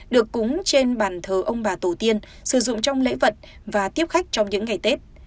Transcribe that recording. được cúng trên bàn thờ ông bà tổ tiên sử dụng trong lễ vật và tiếp khách trong những ngày tết